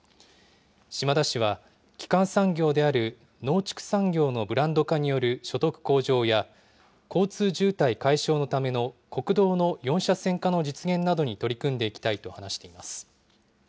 島田氏は、基幹産業である農畜産業のブランド化による所得向上や、交通渋滞解消のための、国道の４車線化の実現などに取り組んでいきたいと話しています。